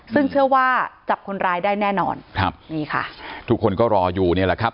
ซึ่งเชื่อว่าจับคนร้ายได้แน่นอนครับนี่ค่ะทุกคนก็รออยู่เนี่ยแหละครับ